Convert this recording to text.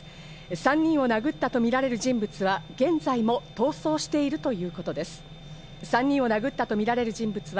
３人を殴ったとみられる人物は現在も逃走しているということです。